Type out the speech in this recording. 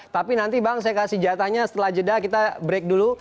tapi nanti bang saya kasih jatahnya setelah jeda kita break dulu